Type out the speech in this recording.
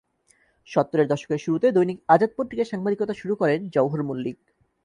সত্তরের দশকের শুরুতে দৈনিক আজাদ পত্রিকায় সাংবাদিকতা শুরু করেন জওহর মল্লিক।